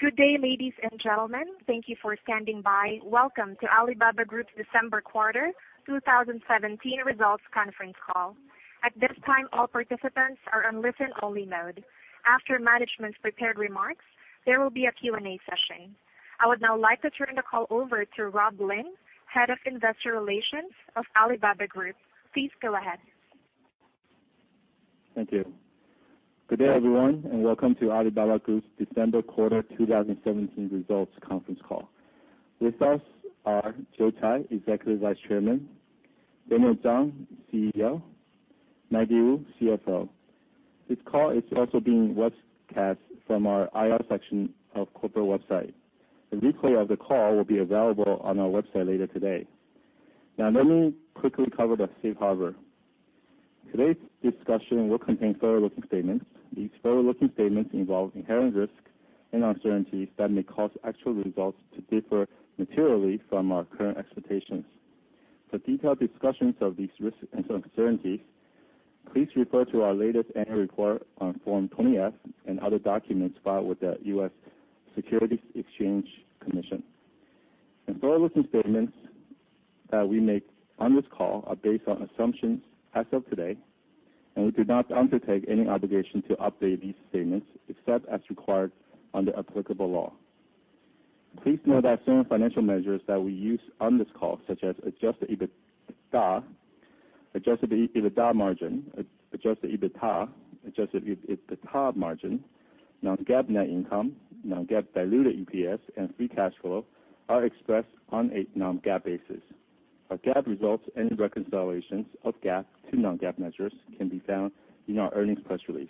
Good day, ladies and gentlemen. Thank you for standing by. Welcome to Alibaba Group's December quarter 2017 results conference call. At this time, all participants are on listen only mode. After management's prepared remarks, there will be a Q&A session. I would now like to turn the call over to Rob Lin, Head of Investor Relations of Alibaba Group. Please go ahead. Thank you. Good day, everyone, and welcome to Alibaba Group's December quarter 2017 results conference call. With us are Joe Tsai, Executive Vice Chairman, Daniel Zhang, CEO, Maggie Wu, CFO. This call is also being webcast from our IR section of corporate website. A replay of the call will be available on our website later today. Let me quickly cover the safe harbor. Today's discussion will contain forward-looking statements. These forward-looking statements involve inherent risks and uncertainties that may cause actual results to differ materially from our current expectations. For detailed discussions of these risks and uncertainties, please refer to our latest annual report on Form 20-F and other documents filed with the U.S. Securities and Exchange Commission. Forward-looking statements that we make on this call are based on assumptions as of today, and we do not undertake any obligation to update these statements except as required under applicable law. Please note that certain financial measures that we use on this call, such as adjusted EBITDA, adjusted EBITDA margin, adjusted EBITA, adjusted EBITA margin, non-GAAP net income, non-GAAP diluted EPS, and free cash flow, are expressed on a non-GAAP basis. Our GAAP results and reconciliations of GAAP to non-GAAP measures can be found in our earnings press release.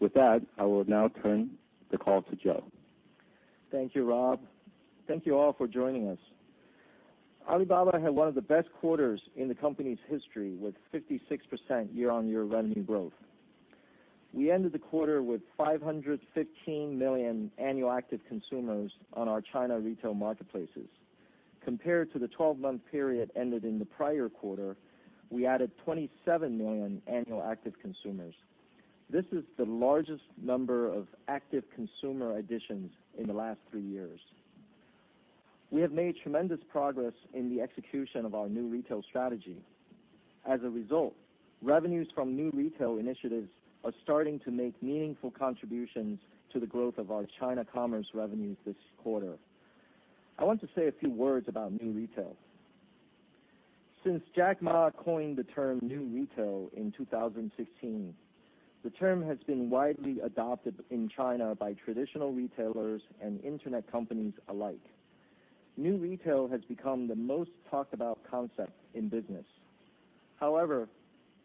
With that, I will now turn the call to Joe. Thank you, Rob. Thank you all for joining us. Alibaba had one of the best quarters in the company's history, with 56% year-on-year revenue growth. We ended the quarter with 515 million annual active consumers on our China retail marketplaces. Compared to the 12-month period ended in the prior quarter, we added 27 million annual active consumers. This is the largest number of active consumer additions in the last three years. We have made tremendous progress in the execution of our New Retail strategy. As a result, revenues from New Retail initiatives are starting to make meaningful contributions to the growth of our China commerce revenues this quarter. I want to say a few words about New Retail. Since Jack Ma coined the term New Retail in 2016, the term has been widely adopted in China by traditional retailers and internet companies alike. New Retail has become the most talked about concept in business. However,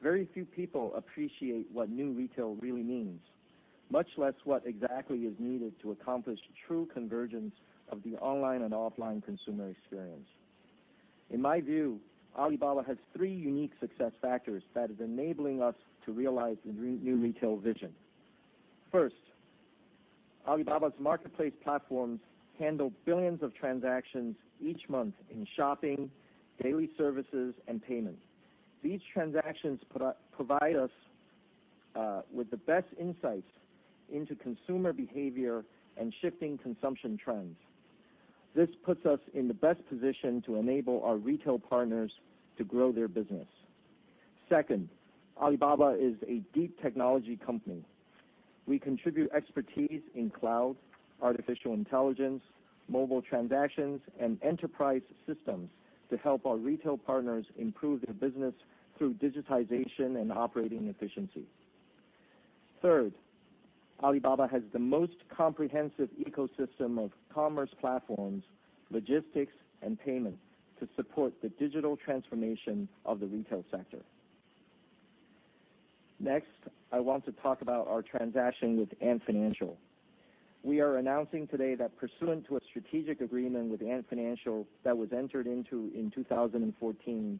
very few people appreciate what New Retail really means, much less what exactly is needed to accomplish true convergence of the online and offline consumer experience. In my view, Alibaba has three unique success factors that is enabling us to realize the New Retail vision. First, Alibaba's marketplace platforms handle billions of transactions each month in shopping, daily services, and payment. These transactions provide us with the best insights into consumer behavior and shifting consumption trends. This puts us in the best position to enable our retail partners to grow their business. Second, Alibaba is a deep technology company. We contribute expertise in cloud, artificial intelligence, mobile transactions, and enterprise systems to help our retail partners improve their business through digitization and operating efficiency. Third, Alibaba has the most comprehensive ecosystem of commerce platforms, logistics, and payment to support the digital transformation of the retail sector. Next, I want to talk about our transaction with Ant Financial. We are announcing today that pursuant to a strategic agreement with Ant Financial that was entered into in 2014,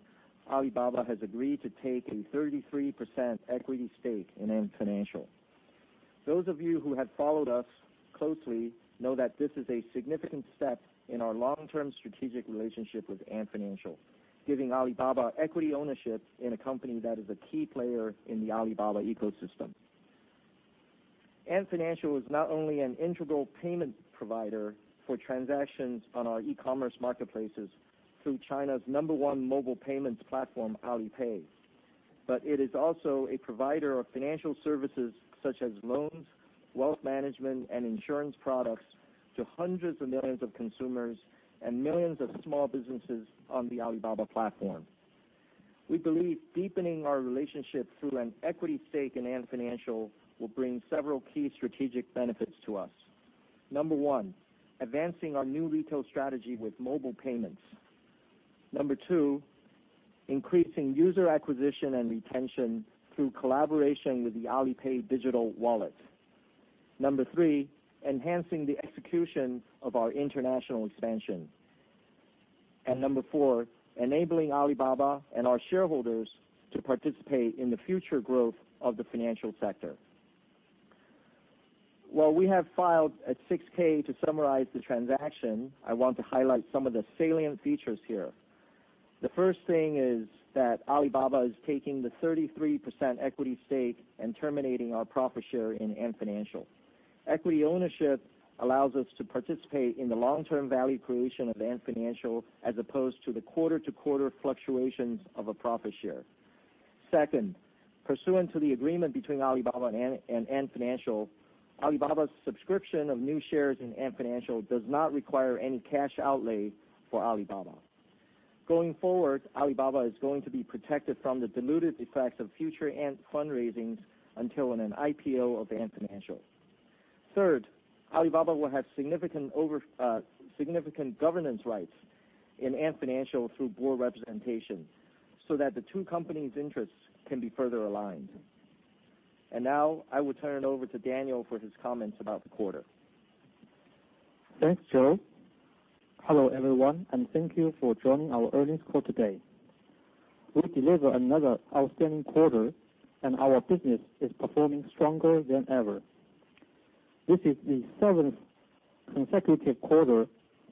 Alibaba has agreed to take a 33% equity stake in Ant Financial. Those of you who have followed us closely know that this is a significant step in our long-term strategic relationship with Ant Financial, giving Alibaba equity ownership in a company that is a key player in the Alibaba ecosystem. Ant Financial is not only an integral payment provider for transactions on our e-commerce marketplaces through China's number one mobile payments platform, Alipay, but it is also a provider of financial services such as loans, wealth management, and insurance products to hundreds of millions of consumers and millions of small businesses on the Alibaba platform. We believe deepening our relationship through an equity stake in Ant Financial will bring several key strategic benefits to us. Number one, advancing our New Retail strategy with mobile payments. Number two, increasing user acquisition and retention through collaboration with the Alipay digital wallet. Number three, enhancing the execution of our international expansion. Number four, enabling Alibaba and our shareholders to participate in the future growth of the financial sector. While we have filed a 6-K to summarize the transaction, I want to highlight some of the salient features here. The first thing is that Alibaba is taking the 33% equity stake and terminating our profit share in Ant Financial. Equity ownership allows us to participate in the long-term value creation of Ant Financial, as opposed to the quarter-to-quarter fluctuations of a profit share. Second, pursuant to the agreement between Alibaba and Ant Financial, Alibaba's subscription of new shares in Ant Financial does not require any cash outlay for Alibaba. Going forward, Alibaba is going to be protected from the dilutive effects of future Ant fundraisings until in an IPO of Ant Financial. Third, Alibaba will have significant governance rights in Ant Financial through board representation, so that the two companies' interests can be further aligned. Now I will turn it over to Daniel for his comments about the quarter. Thanks, Joe. Hello, everyone, thank you for joining our earnings call today. We delivered another outstanding quarter, our business is performing stronger than ever. This is the seventh consecutive quarter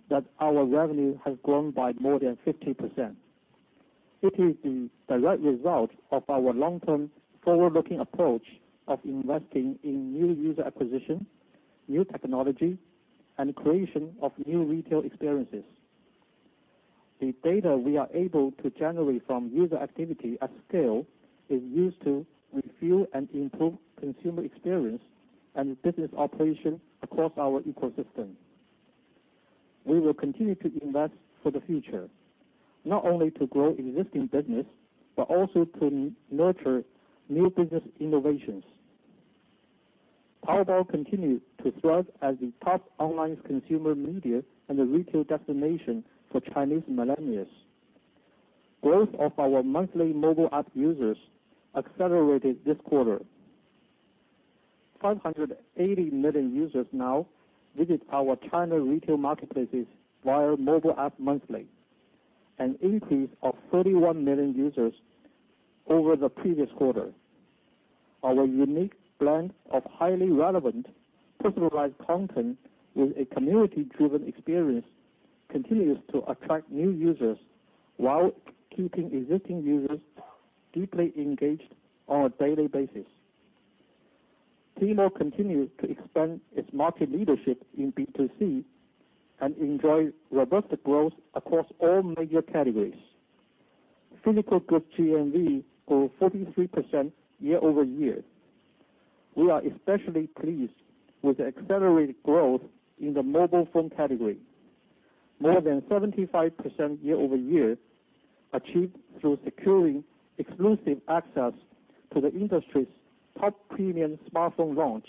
that our revenue has grown by more than 50%. It is the direct result of our long-term forward-looking approach of investing in new user acquisition, new technology, and creation of New Retail experiences. The data we are able to generate from user activity at scale is used to review and improve consumer experience and business operations across our ecosystem. We will continue to invest for the future, not only to grow existing business, but also to nurture new business innovations. Taobao continues to thrive as the top online consumer media and the retail destination for Chinese millennials. Growth of our monthly mobile app users accelerated this quarter. 580 million users now visit our China retail marketplaces via mobile app monthly, an increase of 31 million users over the previous quarter. Our unique blend of highly relevant, personalized content with a community-driven experience continues to attract new users while keeping existing users deeply engaged on a daily basis. Tmall continues to expand its market leadership in B2C and enjoys robust growth across all major categories. Physical goods GMV grew 43% year-over-year. We are especially pleased with the accelerated growth in the mobile phone category. More than 75% year-over-year, achieved through securing exclusive access to the industry's top premium smartphone launch.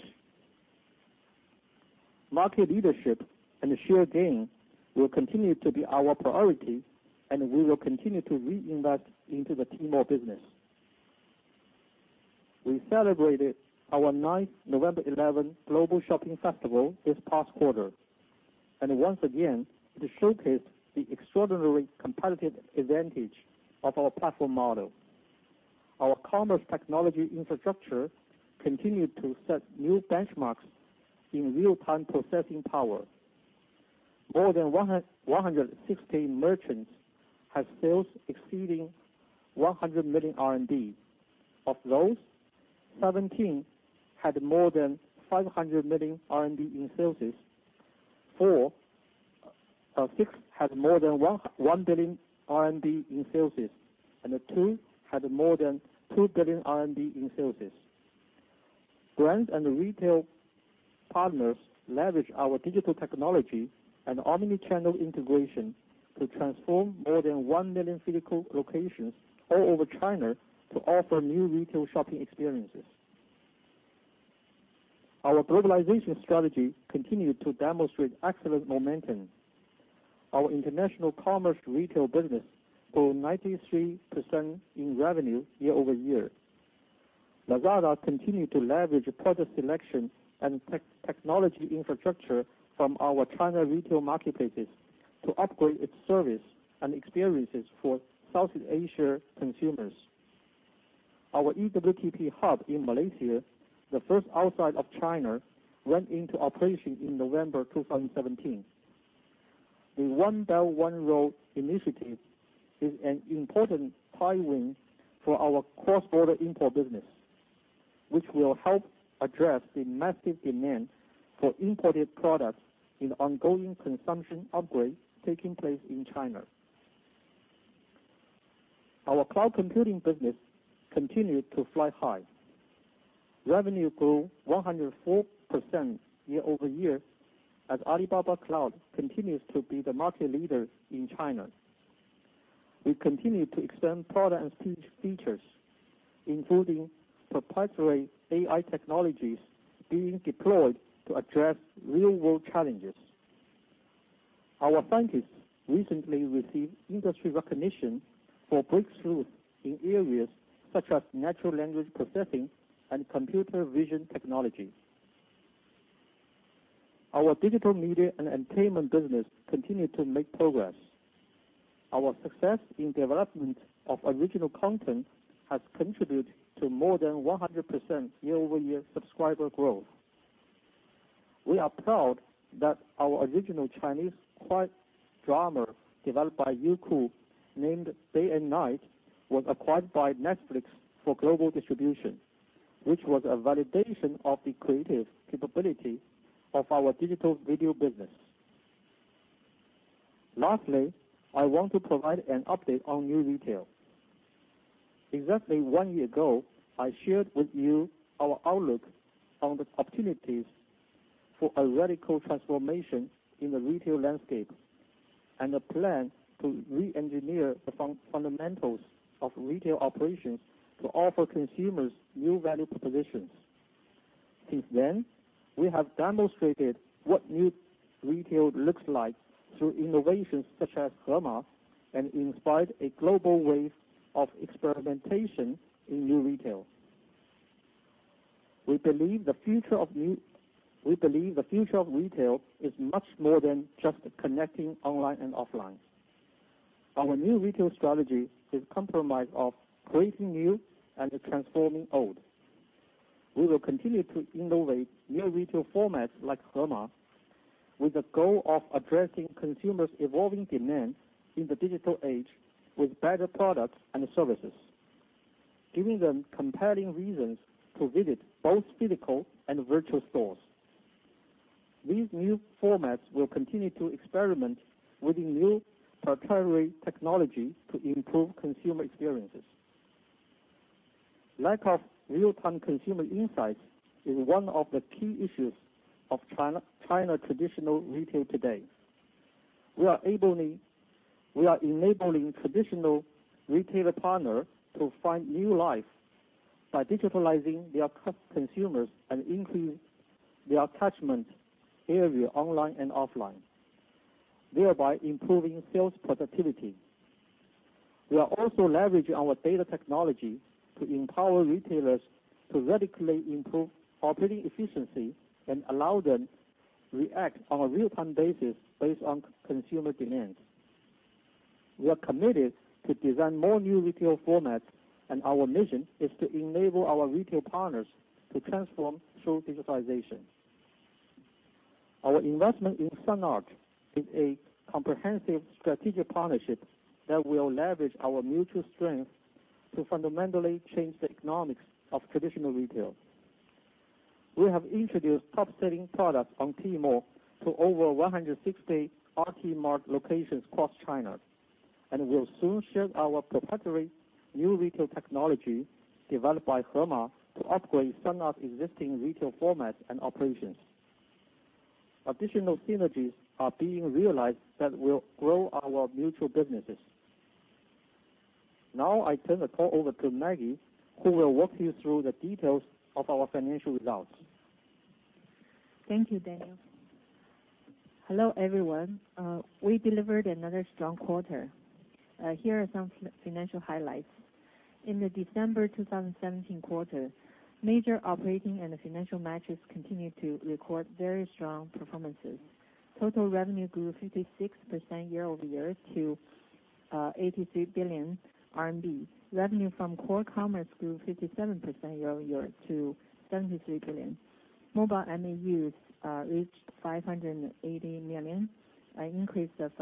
Market leadership and share gain will continue to be our priority, we will continue to reinvest into the Tmall business. We celebrated our ninth November 11 Global Shopping Festival this past quarter. Once again, it showcased the extraordinary competitive advantage of our platform model. Our commerce technology infrastructure continued to set new benchmarks in real-time processing power. More than 160 merchants had sales exceeding 100 million RMB. Of those, 17 had more than 500 million RMB in sales. Six had more than 1 billion RMB in sales, two had more than 2 billion RMB in sales. Brand and retail partners leverage our digital technology and omni-channel integration to transform more than 1 million physical locations all over China to offer New Retail shopping experiences. Our globalization strategy continued to demonstrate excellent momentum. Our international commerce retail business grew 93% in revenue year-over-year. Lazada continued to leverage product selection and technology infrastructure from our China retail marketplaces to upgrade its service and experiences for Southeast Asia consumers. Our eWTP Hub in Malaysia, the first outside of China, went into operation in November 2017. The One Belt, One Road initiative is an important tailwind for our cross-border import business, which will help address the massive demand for imported products in ongoing consumption upgrades taking place in China. Our cloud computing business continued to fly high. Revenue grew 104% year-over-year, as Alibaba Cloud continues to be the market leader in China. We continue to extend product and features, including proprietary AI technologies being deployed to address real-world challenges. Our scientists recently received industry recognition for breakthroughs in areas such as natural language processing and computer vision technology. Our digital media and entertainment business continued to make progress. Our success in development of original content has contributed to more than 100% year-over-year subscriber growth. We are proud that our original Chinese drama developed by Youku, named "Day and Night," was acquired by Netflix for global distribution, which was a validation of the creative capability of our digital video business. I want to provide an update on New Retail. Exactly one year ago, I shared with you our outlook on the opportunities for a radical transformation in the retail landscape, and a plan to re-engineer the fundamentals of retail operations to offer consumers new value propositions. We have demonstrated what New Retail looks like through innovations such as Hema, and inspired a global wave of experimentation in New Retail. We believe the future of retail is much more than just connecting online and offline. Our New Retail strategy is comprised of creating new and transforming old. We will continue to innovate new retail formats like Hema with the goal of addressing consumers' evolving demands in the digital age with better products and services, giving them compelling reasons to visit both physical and virtual stores. These new formats will continue to experiment with new proprietary technology to improve consumer experiences. Lack of real-time consumer insights is one of the key issues of China traditional retail today. We are enabling traditional retailer partners to find new life by digitalizing their consumers and increase their catchment area online and offline, thereby improving sales productivity. We are also leveraging our data technology to empower retailers to radically improve operating efficiency and allow them react on a real-time basis based on consumer demand. We are committed to design more new retail formats, and our mission is to enable our retail partners to transform through digitalization. Our investment in Sun Art is a comprehensive strategic partnership that will leverage our mutual strength to fundamentally change the economics of traditional retail. We have introduced top-selling products on Tmall to over 160 RT-Mart locations across China, and will soon share our proprietary New Retail technology developed by Hema to upgrade Sun Art's existing retail formats and operations. Additional synergies are being realized that will grow our mutual businesses. I turn the call over to Maggie, who will walk you through the details of our financial results. Thank you, Daniel. Hello, everyone. We delivered another strong quarter. Here are some financial highlights. In the December 2017 quarter, major operating and financial matches continued to record very strong performances. Total revenue grew 56% year-over-year to 83 billion RMB. Revenue from core commerce grew 57% year-over-year to 73 billion. Mobile MAUs reached 580 million, an increase of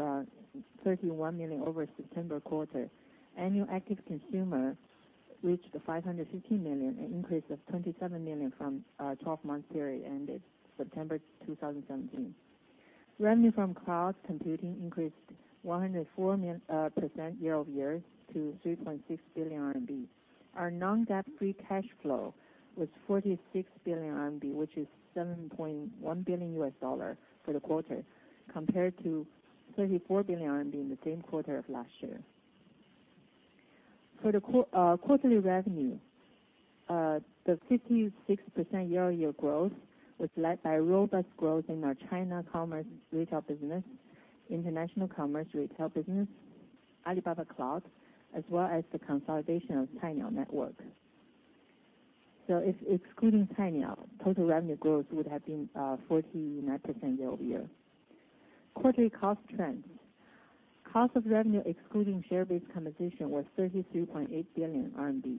31 million over September quarter. Annual active consumer reached 515 million, an increase of 27 million from our 12-month period ended September 2017. Revenue from cloud computing increased 104% year-over-year to 3.6 billion RMB. Our non-GAAP free cash flow was 46 billion RMB, which is $7.1 billion for the quarter, compared to 34 billion RMB in the same quarter of last year. For the quarterly revenue, the 56% year-over-year growth was led by robust growth in our China commerce retail business, international commerce retail business, Alibaba Cloud, as well as the consolidation of Cainiao Network. Excluding Cainiao, total revenue growth would have been 49% year-over-year. Quarterly cost trends. Cost of revenue excluding share-based compensation was 33.8 billion RMB.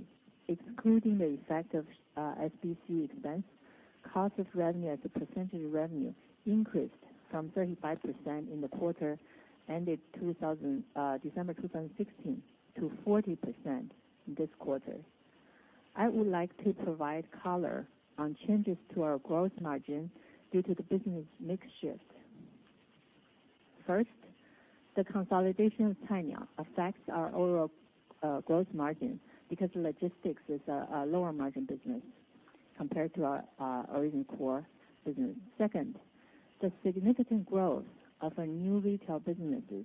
Excluding the effect of SBC expense, cost of revenue as a percentage of revenue increased from 35% in the quarter ended December 2016 to 40% in this quarter. I would like to provide color on changes to our gross margin due to the business mix shift. First, the consolidation of Cainiao affects our overall gross margin because logistics is a lower margin business compared to our original core business. Second, the significant growth of our New Retail businesses,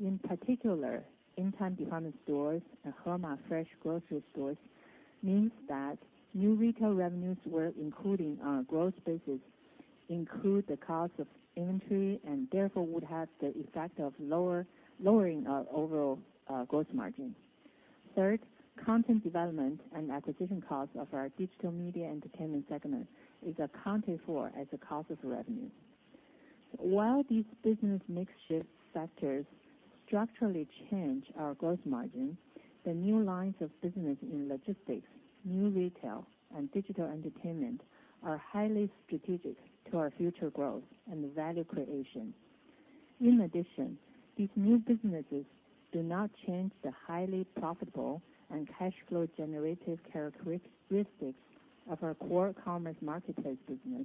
in particular, Intime department stores and Hema fresh grocery stores, means that New Retail revenues were included in our gross basis, include the cost of inventory, and therefore would have the effect of lowering our overall gross margin. Third, content development and acquisition cost of our digital media entertainment segment is accounted for as a cost of revenue. While these business mix shift factors structurally change our gross margin, the new lines of business in logistics, New Retail, and digital entertainment are highly strategic to our future growth and value creation. In addition, these new businesses do not change the highly profitable and cash flow generative characteristics of our core commerce marketplace business,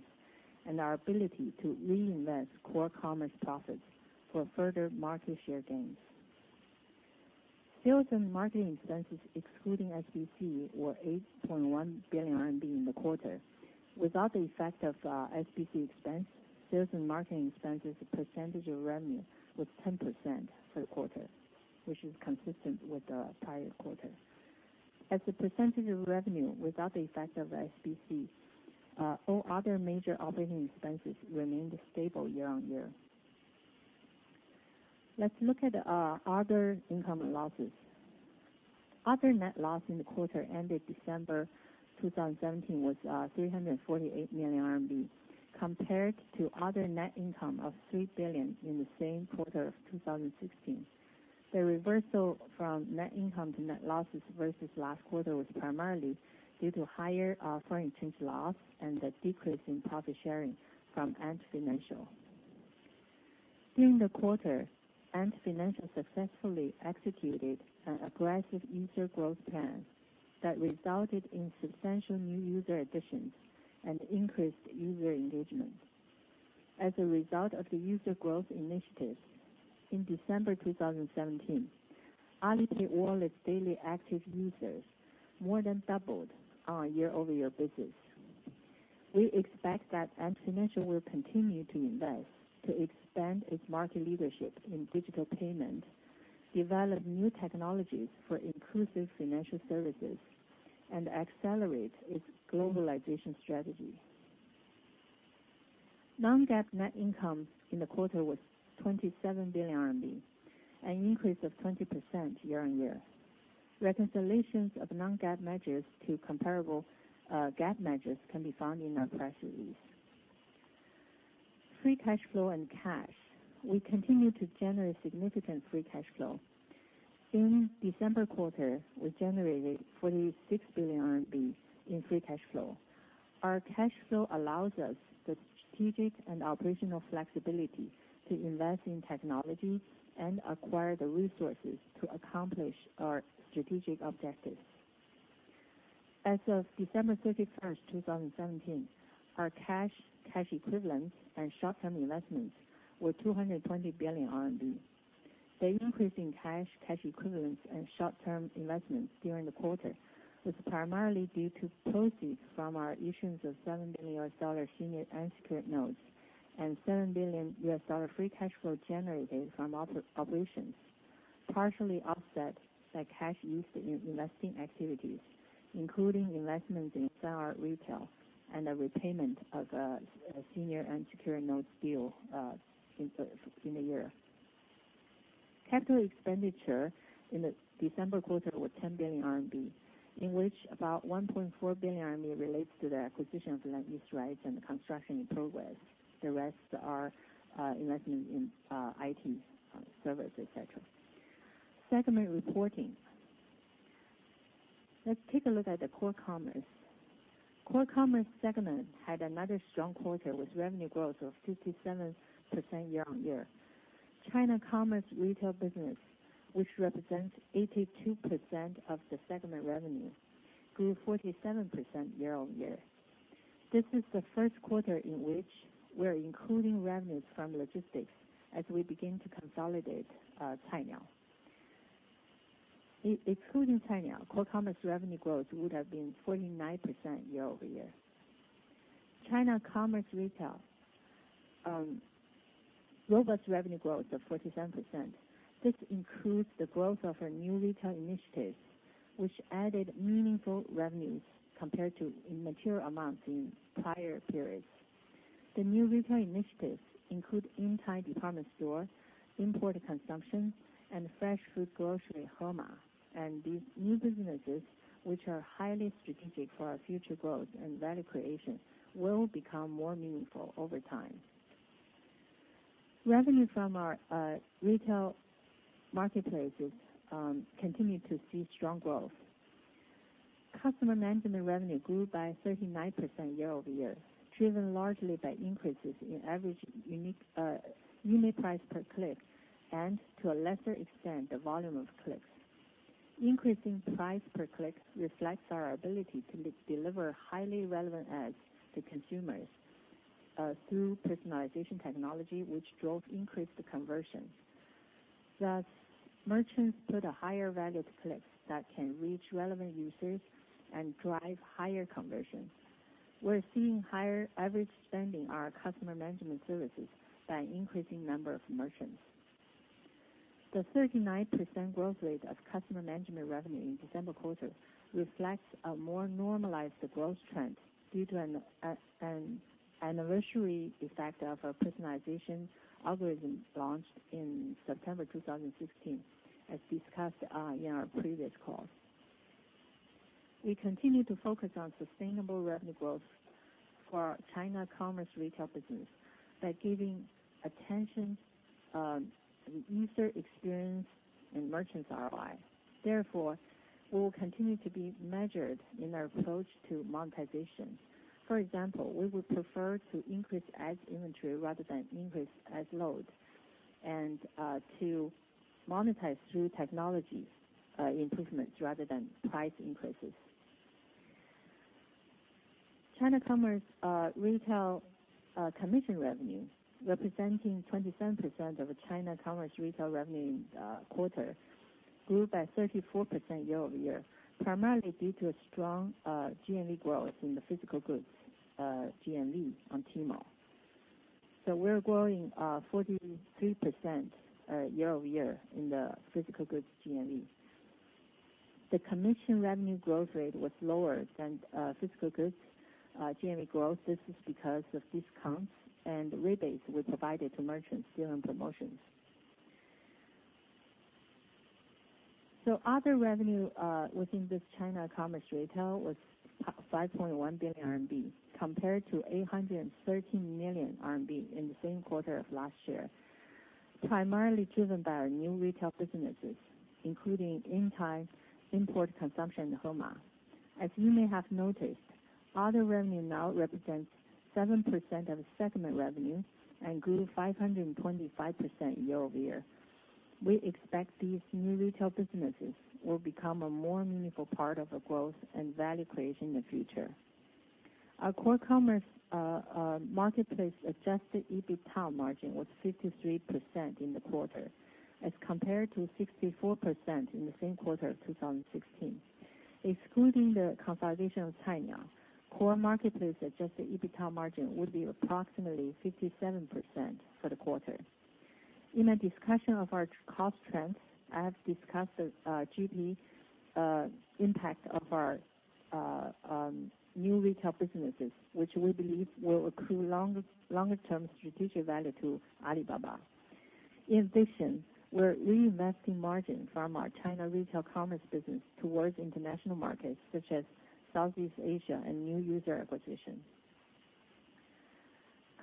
and our ability to reinvest core commerce profits for further market share gains. Sales and marketing expenses, excluding SBC, were 8.1 billion RMB in the quarter. Without the effect of SBC expense, sales and marketing expenses as a percentage of revenue was 10% for the quarter, which is consistent with the prior quarter. As a percentage of revenue, without the effect of SBC, all other major operating expenses remained stable year-on-year. Let's look at other income losses. Other net loss in the quarter ended December 2017 was 348 million RMB, compared to other net income of 3 billion in the same quarter of 2016. The reversal from net income to net losses versus last quarter was primarily due to higher foreign exchange loss and a decrease in profit sharing from Ant Financial. During the quarter, Ant Financial successfully executed an aggressive user growth plan that resulted in substantial new user additions and increased user engagement. As a result of the user growth initiatives, in December 2017, Alipay wallet's daily active users more than doubled on a year-over-year basis. We expect that Ant Financial will continue to invest to expand its market leadership in digital payment, develop new technologies for inclusive financial services, and accelerate its globalization strategy. Non-GAAP net income in the quarter was 27 billion RMB, an increase of 20% year-on-year. Reconciliations of non-GAAP measures to comparable GAAP measures can be found in our press release. Free cash flow and cash. We continue to generate significant free cash flow. In December quarter, we generated 46 billion RMB in free cash flow. Our cash flow allows us the strategic and operational flexibility to invest in technology and acquire the resources to accomplish our strategic objectives. As of December 31st, 2017, our cash equivalents, and short-term investments were 220 billion RMB. The increase in cash equivalents, and short-term investments during the quarter was primarily due to proceeds from our issuance of $7 billion senior unsecured notes and $7 billion free cash flow generated from operations, partially offset by cash used in investing activities, including investments in Sun Art Retail and the repayment of a senior unsecured notes deal in the year. Capital expenditure in the December quarter was 10 billion RMB, in which about 1.4 billion RMB relates to the acquisition of land use rights and the construction in progress. The rest are investment in IT, servers, et cetera. Segment reporting. Let's take a look at the Core Commerce. Core Commerce segment had another strong quarter with revenue growth of 57% year-over-year. China Commerce Retail business, which represents 82% of the segment revenue, grew 47% year-over-year. This is the first quarter in which we're including revenues from logistics as we begin to consolidate Cainiao. Excluding Cainiao, Core Commerce revenue growth would have been 49% year-over-year. China Commerce Retail, robust revenue growth of 47%. This includes the growth of our New Retail initiatives, which added meaningful revenues compared to immaterial amounts in prior periods. The New Retail initiatives include Intime department store, imported consumption, and fresh food grocery, Hema. These new businesses, which are highly strategic for our future growth and value creation, will become more meaningful over time. Revenue from our retail marketplaces continue to see strong growth. Customer management revenue grew by 39% year-over-year, driven largely by increases in average unit price per click, and to a lesser extent, the volume of clicks. Increasing price per click reflects our ability to deliver highly relevant ads to consumers through personalization technology, which drove increased conversions. Thus, merchants put a higher value to clicks that can reach relevant users and drive higher conversions. We're seeing higher average spending on our customer management services by an increasing number of merchants. The 39% growth rate of customer management revenue in December quarter reflects a more normalized growth trend due to an anniversary effect of our personalization algorithms launched in September 2016, as discussed in our previous call. We continue to focus on sustainable revenue growth for our China Commerce Retail business by giving attention to user experience and merchants ROI. Therefore, we will continue to be measured in our approach to monetization. For example, we would prefer to increase ads inventory rather than increase ads load, and to monetize through technology improvements rather than price increases. China Commerce Retail commission revenue, representing 27% of China Commerce Retail revenue in the quarter, grew by 34% year-over-year, primarily due to a strong GMV growth in the physical goods GMV on Tmall. We're growing 43% year-over-year in the physical goods GMV. The commission revenue growth rate was lower than physical goods GMV growth. This is because of discounts and rebates we provided to merchants during promotions. Other revenue within this China Commerce Retail was 5.1 billion RMB compared to 813 million RMB in the same quarter of last year, primarily driven by our New Retail businesses, including Intime, import consumption in Hema. As you may have noticed, other revenue now represents 7% of segment revenue and grew 525% year-over-year. We expect these New Retail businesses will become a more meaningful part of our growth and value creation in the future. Our Core Commerce marketplace adjusted EBITA margin was 53% in the quarter as compared to 64% in the same quarter of 2016. Excluding the consolidation of Cainiao, Core Commerce marketplace adjusted EBITA margin would be approximately 57% for the quarter. In a discussion of our cost trends, I have discussed the GP impact of our New Retail businesses, which we believe will accrue longer term strategic value to Alibaba. In addition, we're reinvesting margin from our China Commerce Retail Business towards international markets such as Southeast Asia and new user acquisition.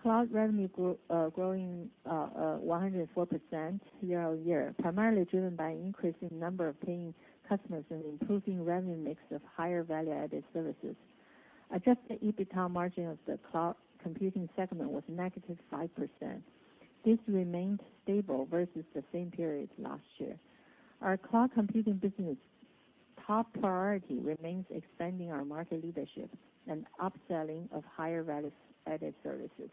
Cloud revenue growing 104% year-over-year, primarily driven by an increase in number of paying customers and improving revenue mix of higher value-added services. Adjusted EBITA margin of the cloud computing segment was negative 5%. This remained stable versus the same period last year. Our cloud computing business top priority remains expanding our market leadership and upselling of higher value-added services.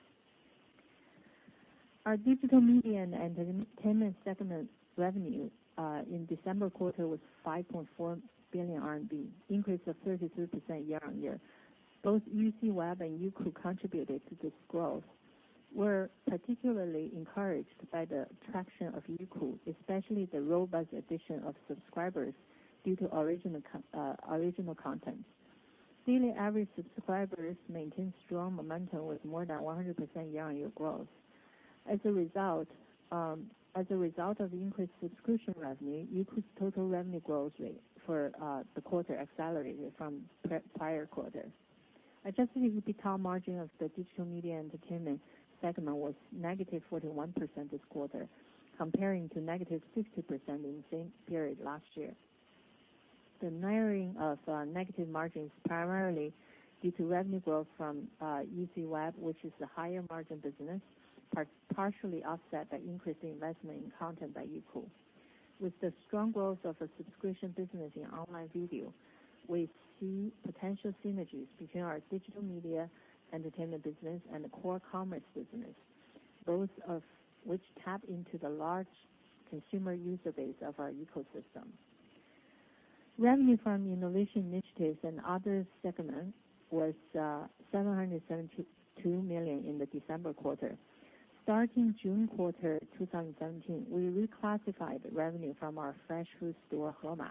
Our Digital Media and Entertainment segment revenue in December quarter was 5.4 billion RMB, increase of 33% year-on-year. Both UCWeb and Youku contributed to this growth. We're particularly encouraged by the traction of Youku, especially the robust addition of subscribers due to original content. Yearly average subscribers maintained strong momentum with more than 100% year-on-year growth. As a result of increased subscription revenue, Youku's total revenue growth rate for the quarter accelerated from prior quarters. Adjusted EBITA margin of the Digital Media and Entertainment segment was negative 41% this quarter, comparing to negative 50% in the same period last year. The narrowing of negative margins primarily due to revenue growth from UCWeb, which is a higher margin business, partially offset by increased investment in content by Youku. With the strong growth of the subscription business in online video, we see potential synergies between our Digital Media and Entertainment business and the Core Commerce business, both of which tap into the large consumer user base of our ecosystem. Revenue from Innovation Initiatives and Other segments was 772 million in the December quarter. Starting June quarter 2017, we reclassified revenue from our fresh food store, Hema.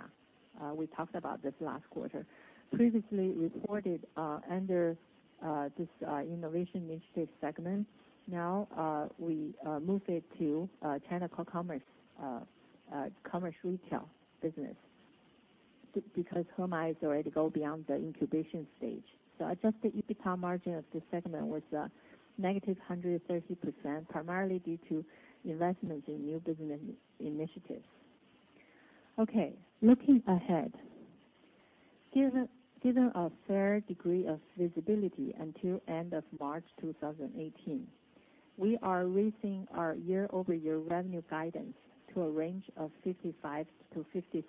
We talked about this last quarter. Previously reported under this Innovation Initiatives segment. Now we moved it to China Commerce Retail Business because Hema has already go beyond the incubation stage. Adjusted EBITA margin of this segment was negative 130%, primarily due to investments in new business initiatives. Okay. Looking ahead, given a fair degree of visibility until end of March 2018, we are raising our year-over-year revenue guidance to a range of 55%-56%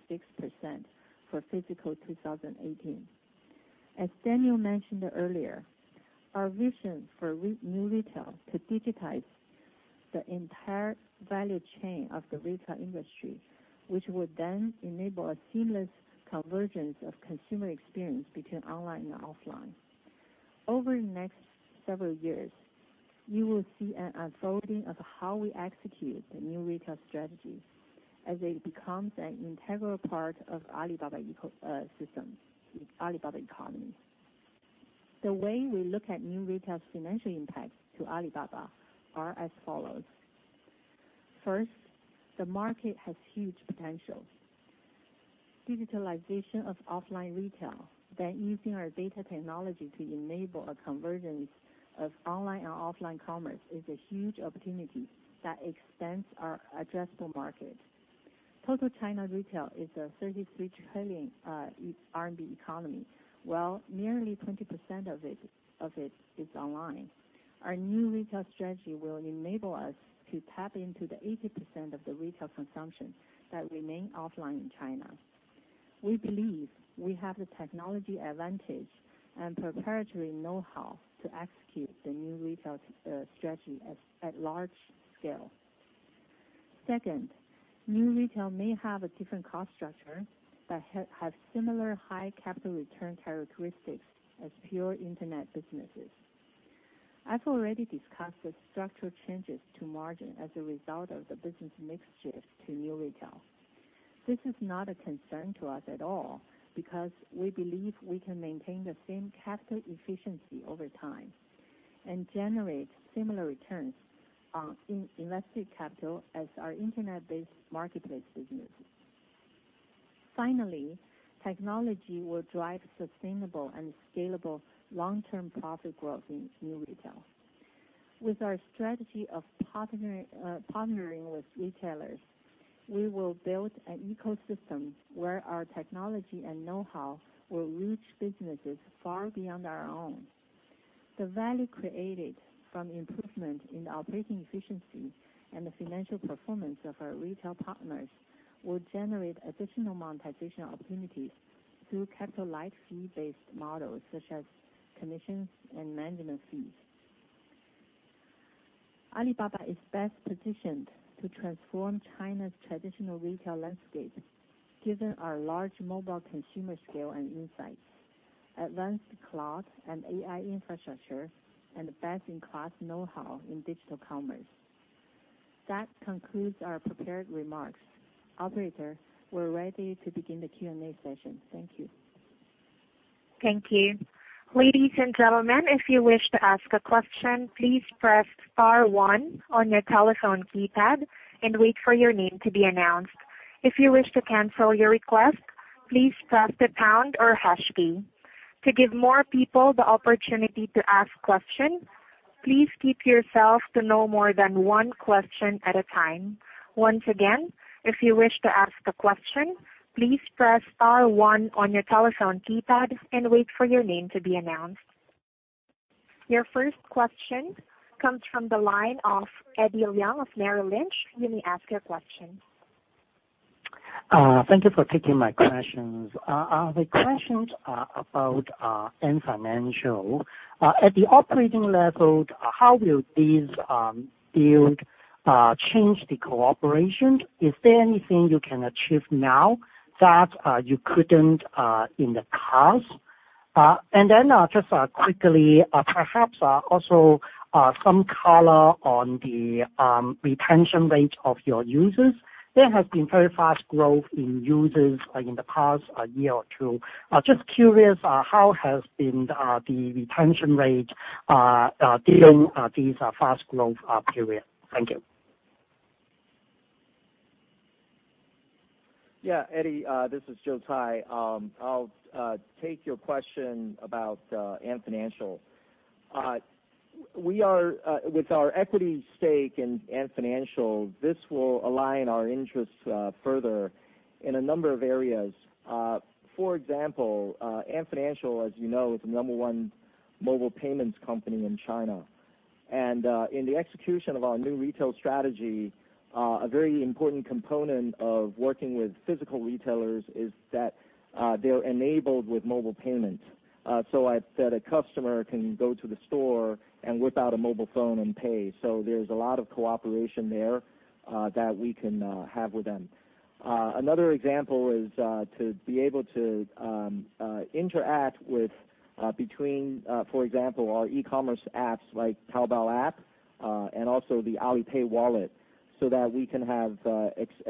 for fiscal 2018. As Daniel mentioned earlier, our vision for New Retail to digitize the entire value chain of the retail industry, which would then enable a seamless convergence of consumer experience between online and offline. Over the next several years, you will see an unfolding of how we execute the New Retail strategy as it becomes an integral part of Alibaba economy. The way we look at New Retail's financial impact to Alibaba are as follows. First, the market has huge potential. Digitalization of offline retail, then using our data technology to enable a convergence of online and offline commerce is a huge opportunity that expands our addressable market. Total China retail is a 33 trillion RMB economy, while nearly 20% of it is online. Our New Retail strategy will enable us to tap into the 80% of the retail consumption that remain offline in China. We believe we have the technology advantage and proprietary know-how to execute the New Retail strategy at large scale. Second, New Retail may have a different cost structure but have similar high capital return characteristics as pure Internet businesses. I've already discussed the structural changes to margin as a result of the business mix shift to New Retail. This is not a concern to us at all because we believe we can maintain the same capital efficiency over time and generate similar returns on invested capital as our Internet-based marketplace business. Finally, technology will drive sustainable and scalable long-term profit growth in New Retail. With our strategy of partnering with retailers, we will build an ecosystem where our technology and know-how will reach businesses far beyond our own. The value created from improvement in the operating efficiency and the financial performance of our retail partners will generate additional monetization opportunities through capital-light fee-based models such as commissions and management fees. Alibaba is best positioned to transform China's traditional retail landscape, given our large mobile consumer scale and insights, advanced cloud and AI infrastructure, and best-in-class know-how in digital commerce. That concludes our prepared remarks. Operator, we're ready to begin the Q&A session. Thank you. Thank you. Ladies and gentlemen, if you wish to ask a question, please press star one on your telephone keypad and wait for your name to be announced. If you wish to cancel your request, please press the pound or hash key. To give more people the opportunity to ask questions, please keep yourself to no more than one question at a time. Once again, if you wish to ask a question, please press star one on your telephone keypad and wait for your name to be announced. Your first question comes from the line of Eddie Leung of Merrill Lynch. You may ask your question. Thank you for taking my questions. The questions are about Ant Financial. At the operating level, how will this deal change the cooperation? Is there anything you can achieve now that you couldn't in the past? Just quickly, perhaps also some color on the retention rate of your users. There has been very fast growth in users in the past one or two years. Just curious, how has been the retention rate during this fast growth period? Thank you. Eddie, this is Joe Tsai. I'll take your question about Ant Financial. With our equity stake in Ant Financial, this will align our interests further in a number of areas. For example, Ant Financial, as you know, is the number one mobile payments company in China. In the execution of our New Retail strategy, a very important component of working with physical retailers is that they're enabled with mobile payment. That a customer can go to the store and whip out a mobile phone and pay. There's a lot of cooperation there that we can have with them. Another example is to be able to interact between, for example, our e-commerce apps like Taobao app, and also the Alipay wallet so that we can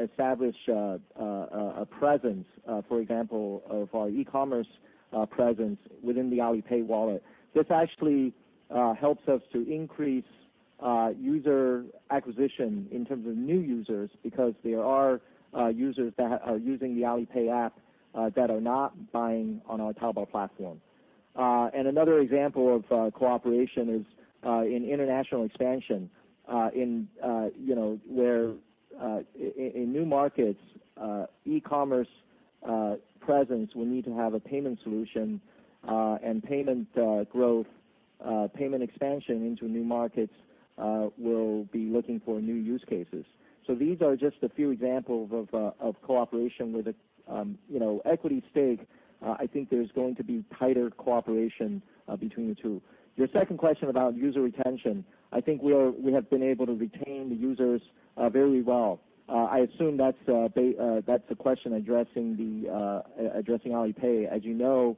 establish a presence. For example, of our e-commerce presence within the Alipay wallet. This actually helps us to increase user acquisition in terms of new users because there are users that are using the Alipay app that are not buying on our Taobao platform. Another example of cooperation is in international expansion. In new markets, e-commerce presence will need to have a payment solution, and payment expansion into new markets will be looking for new use cases. These are just a few examples of cooperation. With equity stake, I think there's going to be tighter cooperation between the two. Your second question about user retention. I think we have been able to retain the users very well. I assume that's a question addressing Alipay. As you know.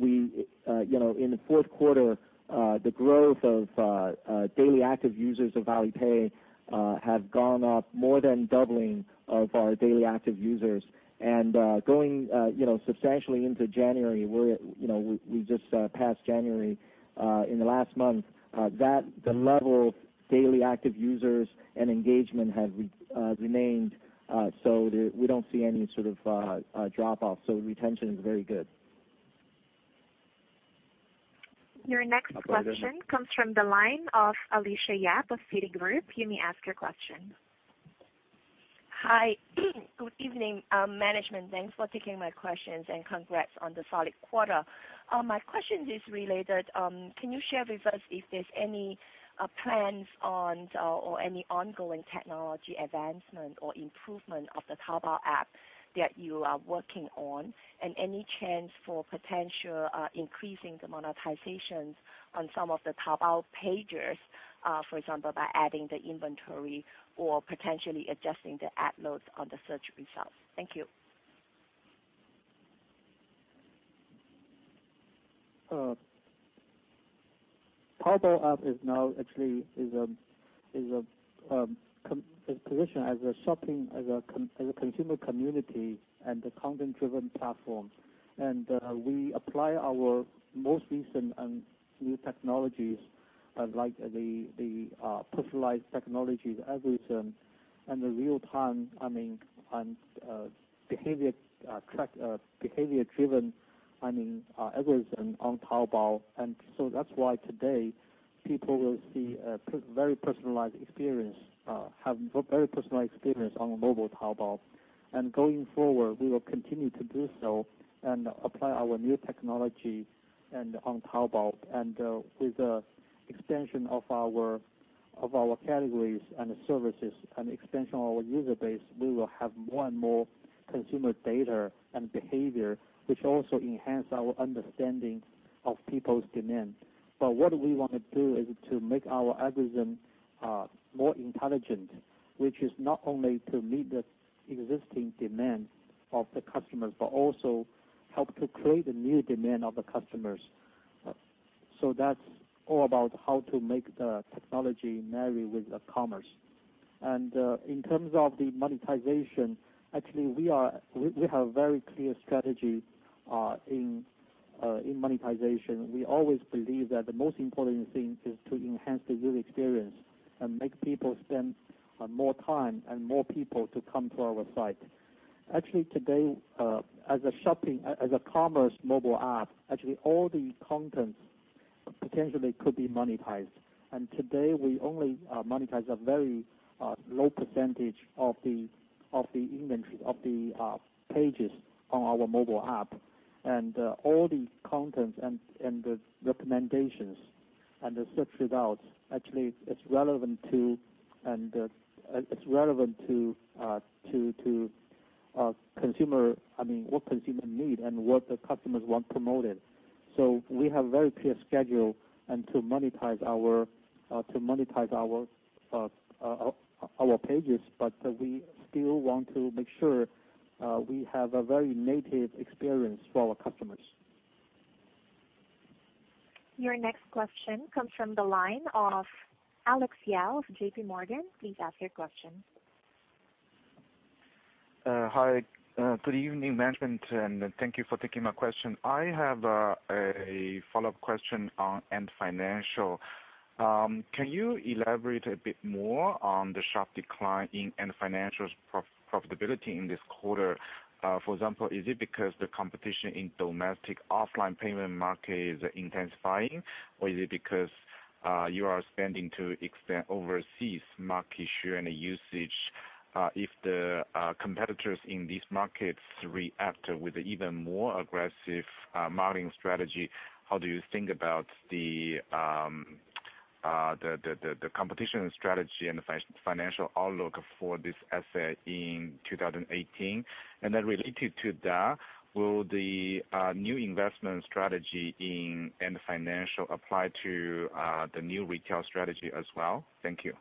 In the fourth quarter, the growth of daily active users of Alipay have gone up more than doubling of our daily active users. Going substantially into January, we just passed January, in the last month, the level of daily active users and engagement have remained, so we don't see any sort of drop-off. Retention is very good. Your next question comes from the line of Alicia Yap of Citigroup. You may ask your question. Hi. Good evening, management. Thanks for taking my questions and congrats on the solid quarter. My question is related. Can you share with us if there's any plans or any ongoing technology advancement or improvement of the Taobao app that you are working on? Any chance for potential increasing the monetizations on some of the Taobao pages, for example, by adding the inventory or potentially adjusting the ad loads on the search results? Thank you. Taobao app is now actually positioned as a consumer community and a content-driven platform. We apply our most recent and new technologies, like the personalized technology algorithm and the real-time behavior-driven algorithm on Taobao. That's why today, people will have a very personalized experience on mobile Taobao. Going forward, we will continue to do so and apply our new technology on Taobao. With the extension of our categories and services and extension of our user base, we will have more and more consumer data and behavior, which also enhance our understanding of people's demand. What we want to do is to make our algorithm more intelligent, which is not only to meet the existing demand of the customers, but also help to create a new demand of the customers. That's all about how to make the technology marry with commerce. In terms of the monetization, actually, we have a very clear strategy in monetization. We always believe that the most important thing is to enhance the user experience and make people spend more time and more people to come to our site. Actually, today, as a commerce mobile app, actually all the contents potentially could be monetized. Today, we only monetize a very low % of the pages on our mobile app. All the contents and the recommendations and the search results, actually, it's relevant to what consumer need and what the customers want promoted. We have a very clear schedule to monetize our pages, but we still want to make sure we have a very native experience for our customers. Your next question comes from the line of Alex Yao of J.P. Morgan. Please ask your question. Hi, good evening, management, and thank you for taking my question. I have a follow-up question on Ant Financial. Can you elaborate a bit more on the sharp decline in Ant Financial's profitability in this quarter? For example, is it because the competition in domestic offline payment market is intensifying, or is it because you are expanding to overseas market share and usage? If the competitors in these markets react with even more aggressive marketing strategy, how do you think about the competition strategy and the financial outlook for this asset in 2018? Related to that, will the new investment strategy in Ant Financial apply to the New Retail strategy as well? Thank you.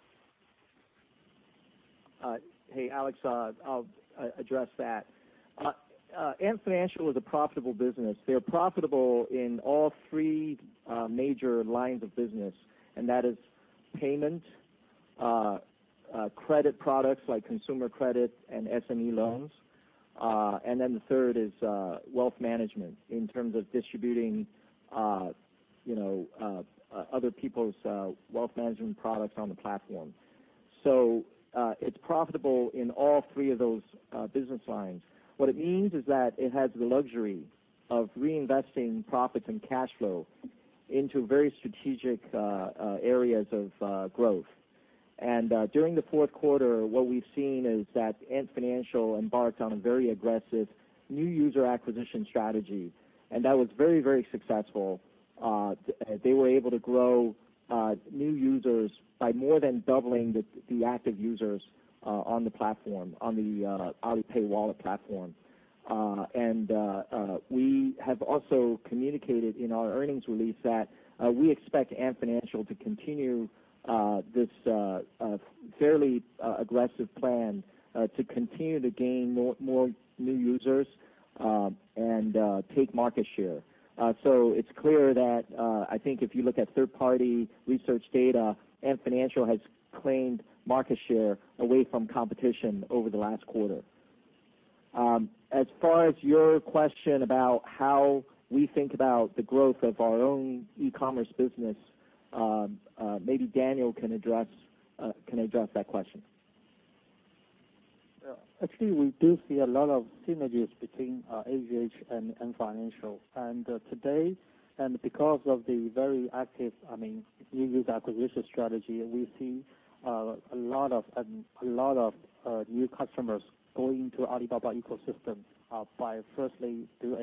Hey, Alex. I'll address that. Ant Financial is a profitable business. They're profitable in all three major lines of business, and that is payment, credit products like consumer credit and SME loans, the third is wealth management in terms of distributing other people's wealth management products on the platform. It's profitable in all three of those business lines. What it means is that it has the luxury of reinvesting profits and cash flow into very strategic areas of growth. During the fourth quarter, what we've seen is that Ant Financial embarked on a very aggressive new user acquisition strategy, and that was very successful. They were able to grow new users by more than doubling the active users on the Alipay wallet platform. We have also communicated in our earnings release that we expect Ant Financial to continue this fairly aggressive plan to continue to gain more new users and take market share. It's clear that, I think if you look at third-party research data, Ant Financial has claimed market share away from competition over the last quarter. As far as your question about how we think about the growth of our own e-commerce business, maybe Daniel can address that question. Actually, we do see a lot of synergies between AGH and Ant Financial. Today, because of the very active new user acquisition strategy, we see a lot of new customers going to Alibaba ecosystem by firstly through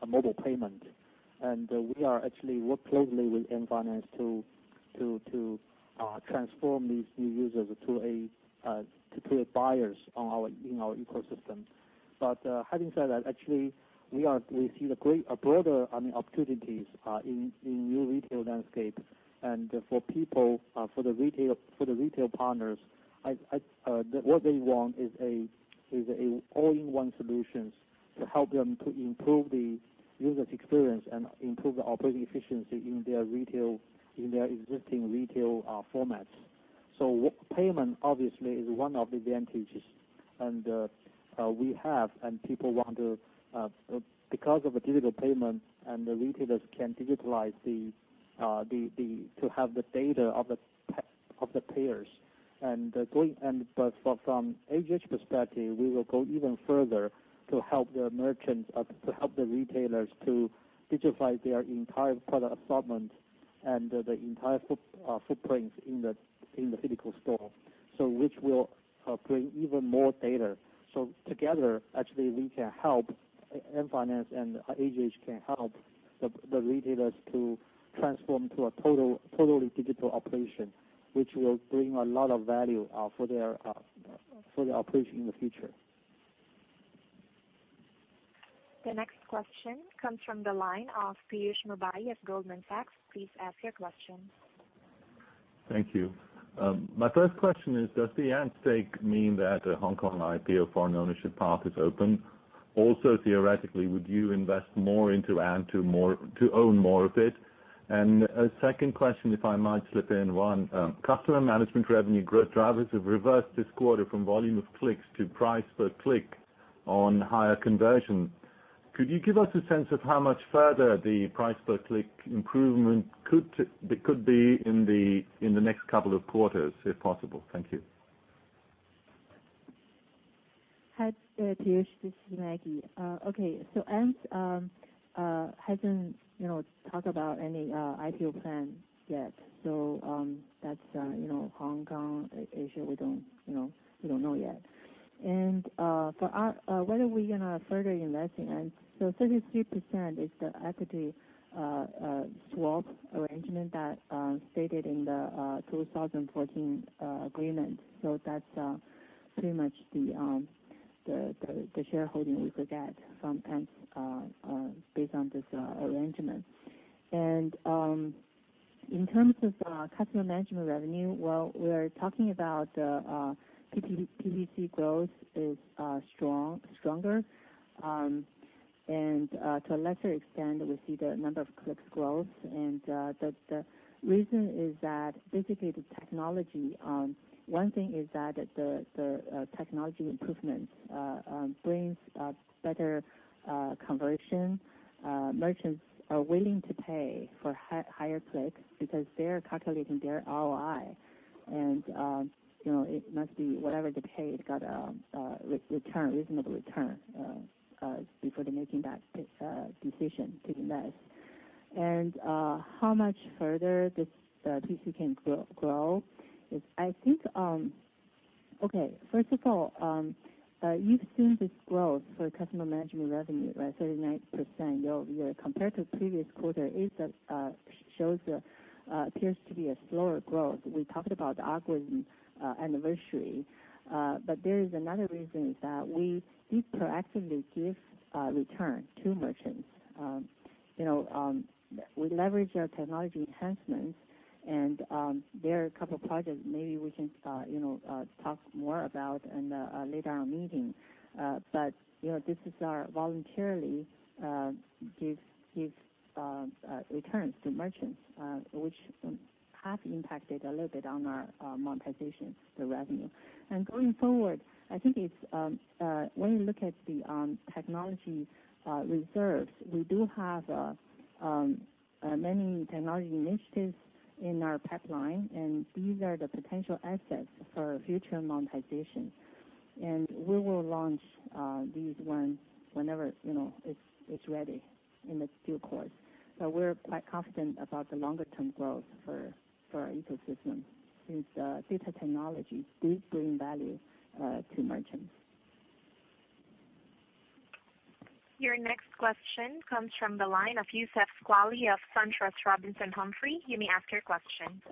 a mobile payment. We are actually work closely with Ant Financial to transform these new users to create buyers in our ecosystem. Having said that, actually, we see the broader opportunities in New Retail landscape and for the retail partners, what they want is all-in-one solutions to help them to improve the user's experience and improve the operating efficiency in their existing retail formats. Payment obviously is one of the advantages. Because of the digital payment, the retailers can digitalize to have the data of the payers. From AGH perspective, we will go even further to help the retailers to digitize their entire product assortment and the entire footprints in the physical store. Which will bring even more data. Together, actually, Ant Financial and AGH can help the retailers to transform to a totally digital operation, which will bring a lot of value for their operation in the future. The next question comes from the line of Piyush Mubayi of Goldman Sachs. Please ask your question. Thank you. My first question is, does the Ant stake mean that a Hong Kong IPO foreign ownership path is open? Also, theoretically, would you invest more into Ant to own more of it? A second question, if I might slip in one. Customer management revenue growth drivers have reversed this quarter from volume of clicks to price per click on higher conversion. Could you give us a sense of how much further the price per click improvement could be in the next couple of quarters, if possible? Thank you. Hi, Piyush. This is Maggie. Okay. Ant hasn't talked about any IPO plan yet. That's Hong Kong, Asia, we don't know yet. For whether we gonna further investing in. 33% is the equity swap arrangement that stated in the 2014 agreement. That's pretty much the shareholding we could get from Ant based on this arrangement. In terms of customer management revenue, well, we're talking about PPC growth is stronger. To a lesser extent, we see the number of clicks growth. The reason is that basically the technology. One thing is that the technology improvements brings better conversion. Merchants are willing to pay for higher clicks because they're calculating their ROI. It must be whatever they pay, it's got a reasonable return before they're making that decision to invest. How much further this PPC can grow is, I think Okay. First of all, you've seen this growth for customer management revenue, right? 39% year-over-year compared to previous quarter, appears to be a slower growth. We talked about the algorithm anniversary. There is another reason, is that we did proactively give return to merchants. We leverage our technology enhancements, and there are a couple of projects maybe we can talk more about in a later meeting. This is our voluntarily give returns to merchants, which have impacted a little bit on our monetization, the revenue. Going forward, I think when you look at the technology reserves, we do have many technology initiatives in our pipeline, and these are the potential assets for future monetization. We will launch these whenever it's ready in the due course. We're quite confident about the longer-term growth for our ecosystem since data technology do bring value to merchants. Your next question comes from the line of Youssef Squali of SunTrust Robinson Humphrey. You may ask your question.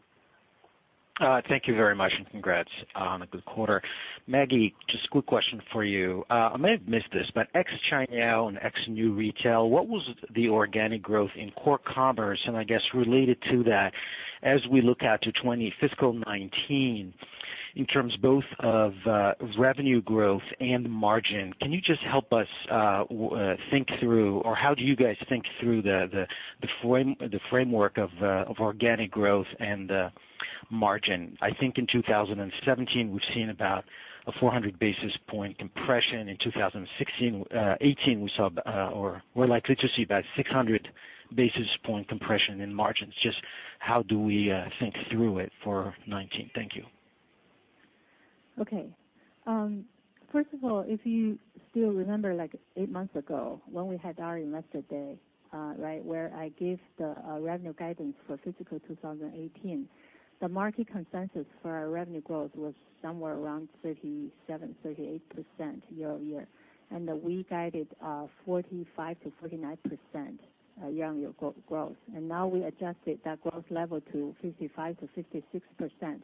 Thank you very much, and congrats on a good quarter. Maggie, just a quick question for you. I may have missed this, but ex Cainiao and ex New Retail, what was the organic growth in core commerce? I guess related to that, as we look out to fiscal 2019, in terms both of revenue growth and margin, can you just help us think through, or how do you guys think through the framework of organic growth and margin? I think in 2017, we've seen about a 400 basis point compression. In 2018, we're likely to see about 600 basis point compression in margins. Just how do we think through it for 2019? Thank you. Okay. First of all, if you still remember eight months ago when we had our investor day where I gave the revenue guidance for fiscal 2018, the market consensus for our revenue growth was somewhere around 37%, 38% year-over-year. We guided 45% to 49% year-over-year growth. Now we adjusted that growth level to 55% to 56%.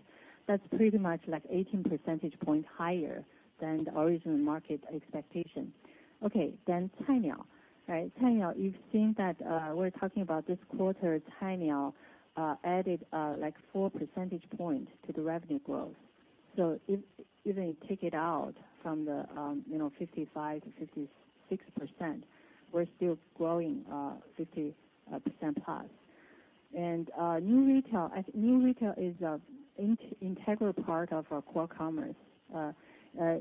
That's pretty much 18 percentage points higher than the original market expectation. Okay. Cainiao. You've seen that we're talking about this quarter, Cainiao added four percentage points to the revenue growth. Even if you take it out from the 55% to 56%, we're still growing 50% plus. New Retail is an integral part of our core commerce.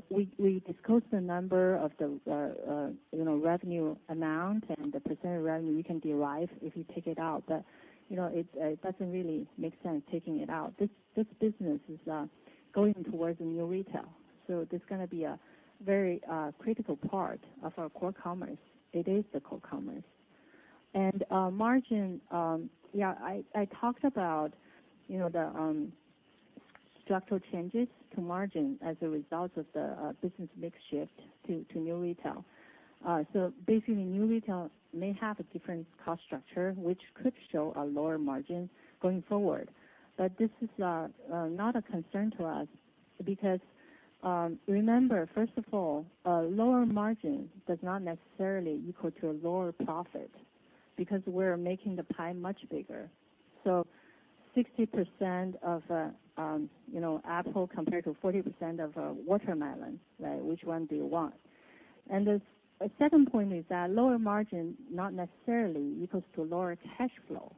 We disclosed the number of the revenue amount and the percentage of revenue you can derive if you take it out, but it doesn't really make sense taking it out. This business is going towards New Retail. It's going to be a very critical part of our core commerce. It is the core commerce. Margin, I talked about the structural changes to margin as a result of the business mix shift to New Retail. Basically, New Retail may have a different cost structure, which could show a lower margin going forward. This is not a concern to us because, remember, first of all, a lower margin does not necessarily equal to a lower profit because we're making the pie much bigger. 60% of apple compared to 40% of a watermelon. Which one do you want? The second point is that lower margin not necessarily equals to lower cash flow.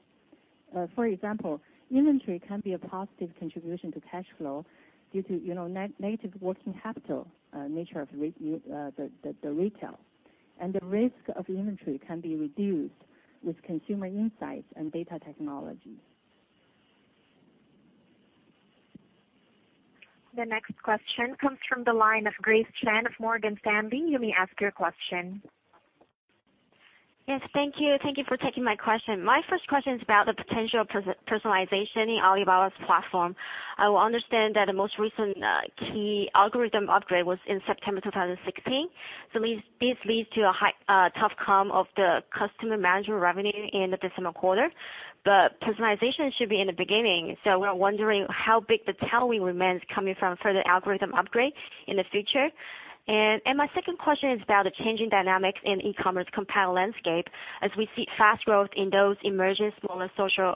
For example, inventory can be a positive contribution to cash flow due to negative working capital nature of the retail. The risk of inventory can be reduced with consumer insights and data technologies. The next question comes from the line of Grace Chen of Morgan Stanley. You may ask your question. Yes. Thank you. Thank you for taking my question. My first question is about the potential personalization in Alibaba's platform. I understand that the most recent key algorithm upgrade was in September 2016. This leads to a tough comp of the customer management revenue in the December quarter. Personalization should be in the beginning. We're wondering how big the tailwind remains coming from further algorithm upgrade in the future. My second question is about the changing dynamics in e-commerce competitive landscape. As we see fast growth in those emerging smaller social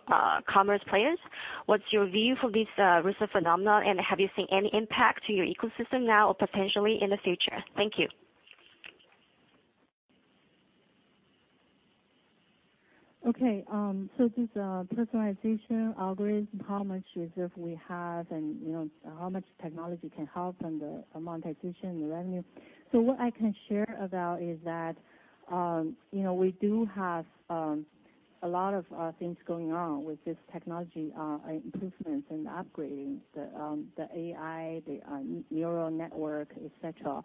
commerce players, what's your view for this recent phenomenon, and have you seen any impact to your ecosystem now or potentially in the future? Thank you. This personalization algorithm, how much reserve we have and how much technology can help in the monetization and the revenue. What I can share about is that we do have a lot of things going on with this technology improvements and upgrading the AI, the neural network, et cetera.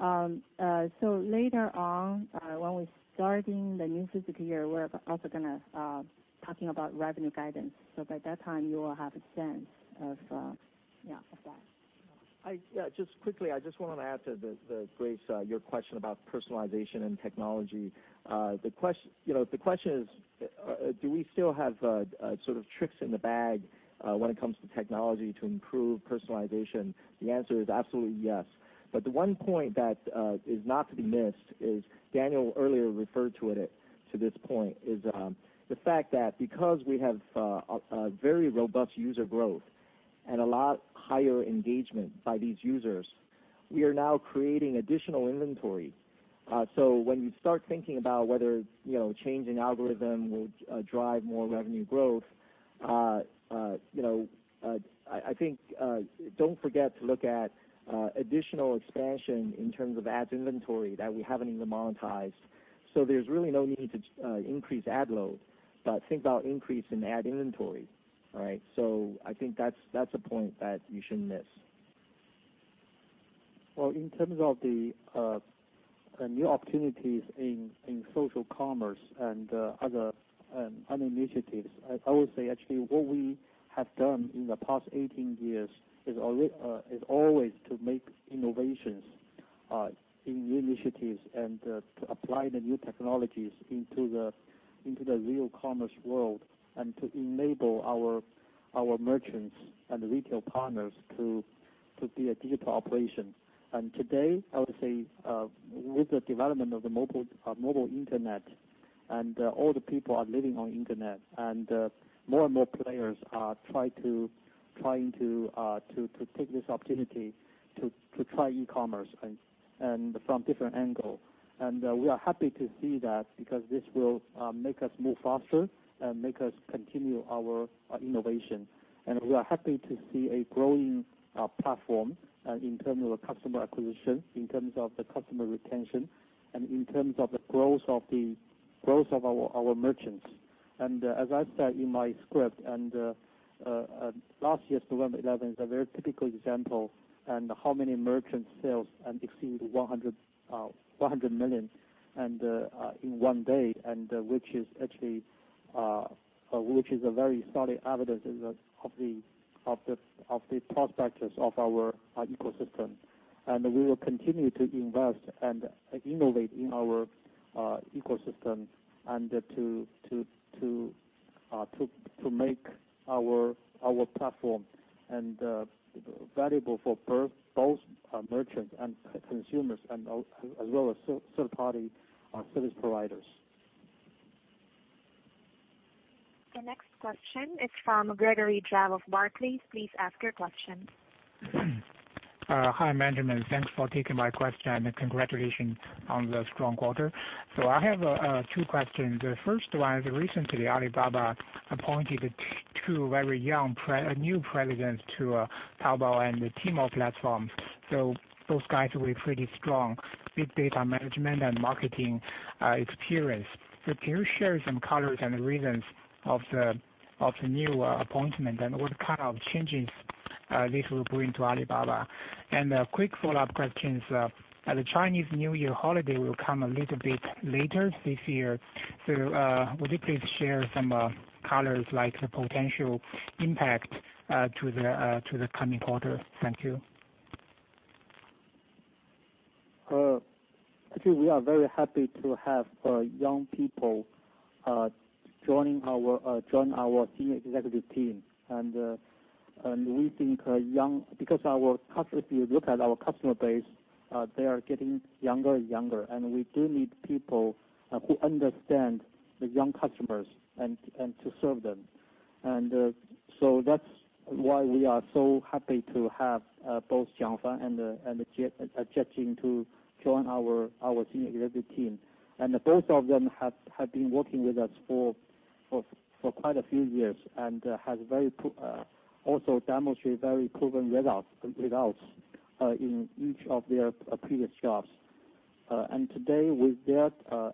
Later on, when we're starting the new fiscal year, we're also going to talking about revenue guidance. By that time, you will have a sense of that. Just quickly, I just want to add to Grace, your question about personalization and technology. If the question is, do we still have sort of tricks in the bag when it comes to technology to improve personalization? The answer is absolutely yes. The one point that is not to be missed is Daniel earlier referred to this point is the fact that because we have a very robust user growth and a lot higher engagement by these users, we are now creating additional inventory. When you start thinking about whether changing algorithm will drive more revenue growth, I think don't forget to look at additional expansion in terms of ads inventory that we haven't even monetized. There's really no need to increase ad load, but think about increase in ad inventory. I think that's a point that you shouldn't miss. Well, in terms of the new opportunities in social commerce and other initiatives, I would say actually what we have done in the past 18 years is always to make innovations in new initiatives and to apply the new technologies into the real commerce world and to enable our merchants and retail partners to be a digital operation. Today, I would say, with the development of the mobile internet and all the people are living on internet, more and more players are trying to take this opportunity to try e-commerce from different angle. We are happy to see that because this will make us move faster and make us continue our innovation. We are happy to see a growing platform in terms of customer acquisition, in terms of the customer retention, and in terms of the growth of our merchants. As I said in my script, last year's 1111 is a very typical example on how many merchant sales exceed 100 million in one day, which is a very solid evidence of the prospects of our ecosystem. We will continue to invest and innovate in our ecosystem and to make our platform valuable for both merchants and consumers as well as third-party service providers. The next question is from Gregory Zhao of Barclays. Please ask your question. Hi, management. Thanks for taking my question and congratulations on the strong quarter. I have two questions. The first one is, recently Alibaba appointed two very young, new presidents to Taobao and Tmall platforms. Those guys with pretty strong big data management and marketing experience. Can you share some colors and reasons of the new appointment and what kind of changes this will bring to Alibaba? A quick follow-up question is, the Chinese New Year holiday will come a little bit later this year, so would you please share some colors, like the potential impact to the coming quarter? Thank you. Actually, we are very happy to have young people join our senior executive team. We think because if you look at our customer base, they are getting younger and younger, and we do need people who understand the young customers and to serve them. That's why we are so happy to have both Jiang Fan and Jet Jing to join our senior executive team. Both of them have been working with us for quite a few years and also demonstrate very proven results in each of their previous jobs. Today,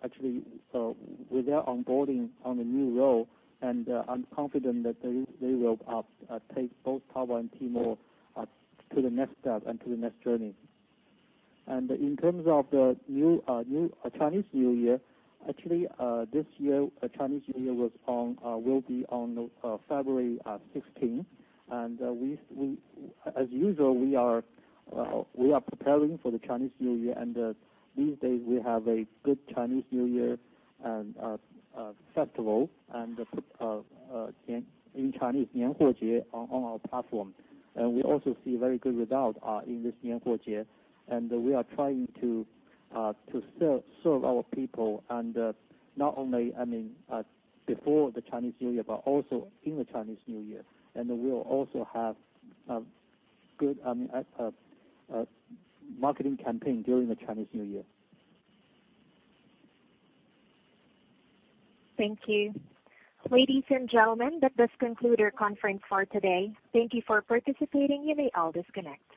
actually, with their onboarding on the new role, I'm confident that they will take both Taobao and Tmall to the next step and to the next journey. In terms of the Chinese New Year, actually, this year, Chinese New Year will be on February 16th. As usual, we are preparing for the Chinese New Year, and these days, we have a good Chinese New Year festival in Chinese, on our platform. We also see very good result in this and we are trying to serve our people and not only before the Chinese New Year, but also in the Chinese New Year. We'll also have a good marketing campaign during the Chinese New Year. Thank you. Ladies and gentlemen, that does conclude our conference for today. Thank you for participating. You may all disconnect.